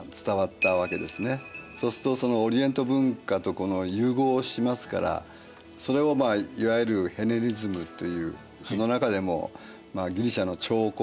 そうするとオリエント文化と融合しますからそれをいわゆるヘレニズムというその中でもギリシアの彫刻がありますよね。